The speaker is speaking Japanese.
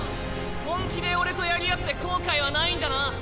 本気で俺と殺り合って後悔はないんだな？